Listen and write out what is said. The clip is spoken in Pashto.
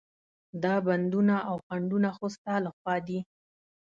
دا بندونه او خنډونه خو ستا له خوا دي.